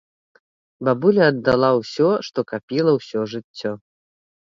Бабуля аддала ўсё, што капіла ўсё жыццё.